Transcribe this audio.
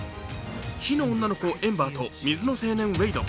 火の女の子、エンバーと水の青年・ウェイド。